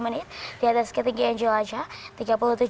tiga puluh menit di atas ketinggian jelajah